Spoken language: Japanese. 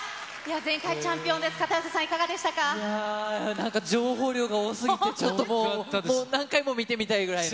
前回チャンピオンです、なんか情報量が多すぎて、ちょっともう、何回も見てみたいくらいの。